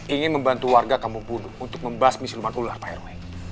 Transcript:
ingin membantu warga kampung bodug untuk membahas misi luar hijau pak rw